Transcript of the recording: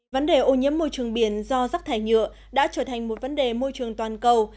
vấn đề ô nhiễm môi trường biển do rác thải nhựa đã trở thành một vấn đề môi trường toàn cầu